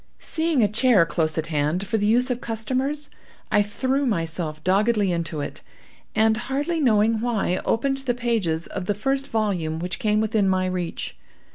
Seeing a chair close at hand, for the use of customers, I threw myself doggedly into it, and, hardly knowing why, opened the pages of the first volume which came within my reach.